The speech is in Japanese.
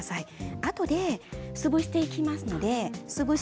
あとで潰していきますので潰し